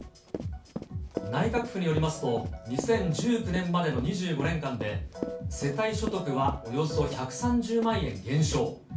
内閣府によりますと、２０１９年までの２５年間で、世帯所得はおよそ１３０万円減少。